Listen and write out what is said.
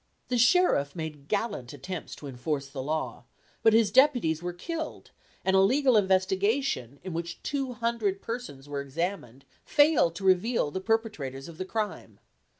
The sheriff made gallant attempts to enforce the law, but his deputies were killed, and a legal investigation in which two hundred persons were examined, failed to reveal the perpetrators of the crime.